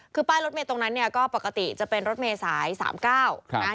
คือป้ายรถเมย์ตรงนั้นเนี่ยก็ปกติจะเป็นรถเมษาย๓๙นะ